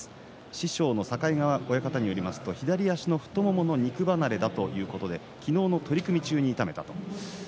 師匠の境川親方によりますと左足の太ももの肉離れということで昨日の取組中に痛めたようです。